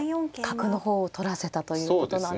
角の方を取らせたということなんですね。